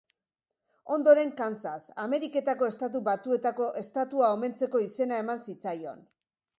Ondoren Kansas, Ameriketako Estatu Batuetako estatua omentzeko izena eman zitzaion.